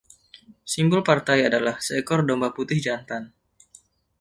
Simbol partai adalah seekor domba putih jantan.